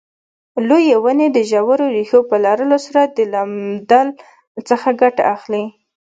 لویې ونې د ژورو ریښو په لرلو سره د لمدبل څخه ګټه اخلي.